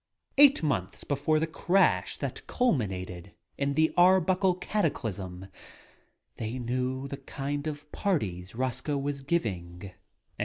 Eight months before the crash that cul minated in the Arbuckle cataclysm they knew the kind of parties Roscoe was giving »^.